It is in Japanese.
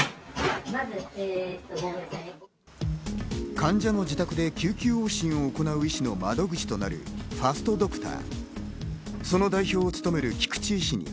患者の自宅で救急往診を行う医師の窓口となるファストドクター。